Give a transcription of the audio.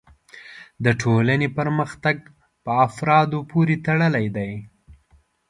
د ټولنې پرمختګ په افرادو پورې تړلی دی.